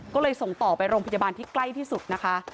ก็เลยส่งต่อไปโรงพยาบาลที่ใกล้ที่สุดนะคะ